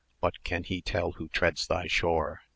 What can he tell who treads thy shore?